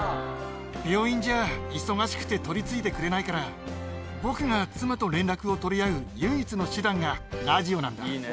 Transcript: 病院じゃ忙しくて取り次いでくれないから、僕が妻と連絡を取り合う唯一の手段がラジオなんだ。